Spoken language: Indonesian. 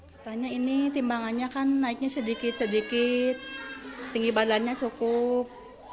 katanya ini timbangannya kan naiknya sedikit sedikit tinggi badannya cukup